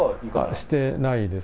してないです。